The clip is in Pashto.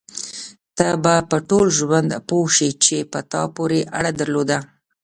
ته به په ټول ژوند پوه شې چې په تا پورې اړه درلوده.